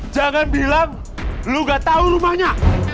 jangan bilang lu gak tahu rumahnya